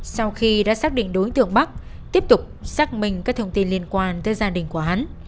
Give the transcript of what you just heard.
sau khi đã xác định đối tượng bắc tiếp tục xác minh các thông tin liên quan tới gia đình của hắn